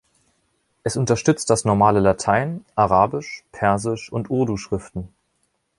Es unterstützt das normale Latein, Arabisch, Persisch und Urdu-Schriften.